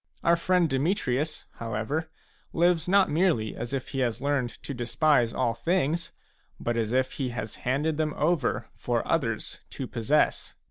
Our friend Demetrius, however, lives not merely as if he has learned to despise all things, but as if he has handed them over for others to possess.